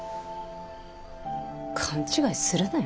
勘違いするなよ。